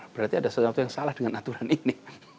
berarti ada sesuatu yang salah dengan aturan ini